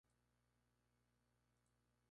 Se ordenó sacerdote y obtuvo el título de abogado.